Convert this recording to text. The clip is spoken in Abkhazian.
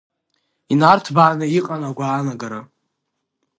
Инарҭбааны иҟан агәаанагара…